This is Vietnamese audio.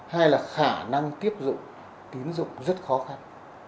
hai là khả năng tiếp dụng tín dụng rất khó khăn